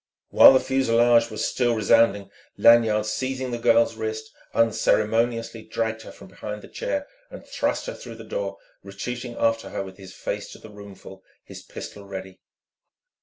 While the fusillade was still resounding Lanyard, seizing the girl's wrist, unceremoniously dragged her from behind the chair and thrust her through the door, retreating after her with his face to the roomfull, his pistol ready.